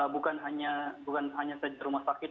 bukan hanya saja rumah sakit